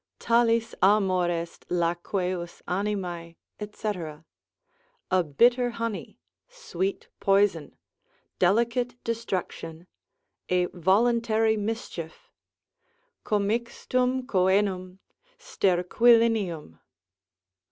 Talis amor est laqueus animae, &c., a bitter honey, sweet poison, delicate destruction, a voluntary mischief, commixtum coenum, sterquilinium.